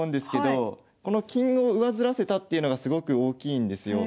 確かにこれはこの金を上ずらせたっていうのがすごく大きいんですよ。